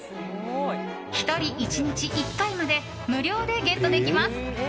１人１日１回まで無料でゲットできます。